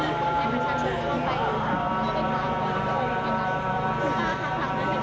ตอนนี้เป็นครั้งหนึ่งครั้งหนึ่งครั้งหนึ่ง